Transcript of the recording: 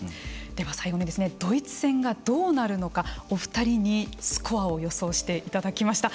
では最後にドイツ戦がどうなるのかお二人にスコアを予想していただきました。